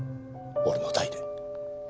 俺の代で。